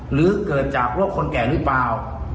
หรือเกิดจากโรคคนแก่หรือเปล่า